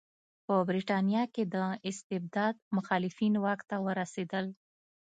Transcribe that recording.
په برېټانیا کې د استبداد مخالفین واک ته ورسېدل.